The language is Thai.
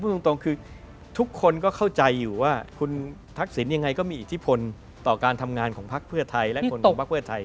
พูดตรงคือทุกคนเข้าใจอยู่ว่าคุณทักศิลป์ยังไงก็มีอิทธิพลต่อการทำงานของภาคเพื่อไทย